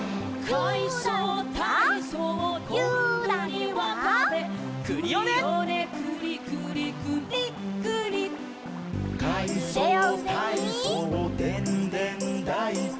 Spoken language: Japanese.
「かいそうたいそうでんでんだいこ」